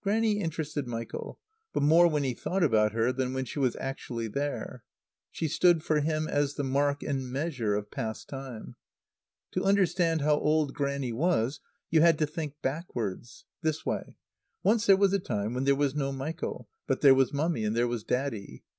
Grannie interested Michael; but more when he thought about her than when she was actually there. She stood for him as the mark and measure of past time. To understand how old Grannie was you had to think backwards; this way: Once there was a time when there was no Michael; but there was Mummy and there was Daddy.